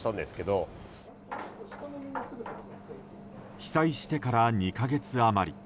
被災してから２か月余り。